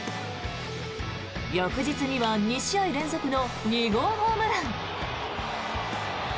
翌日には２試合連続の２号ホームラン。